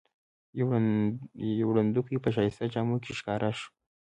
یوه ړندوکۍ په ښایسته جامو کې ښکاره شوه.